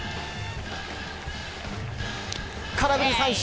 空振り三振！